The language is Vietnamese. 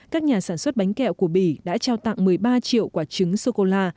các nhà sản xuất bánh kẹo của bỉ đã trao tặng một mươi ba triệu quả trứng sô cô la